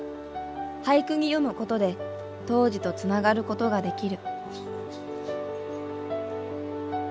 俳句に詠むことで当時とつながることができる。